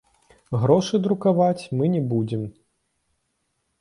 Грошы друкаваць мы не будзем.